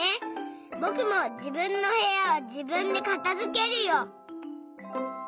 ぼくもじぶんのへやはじぶんでかたづけるよ。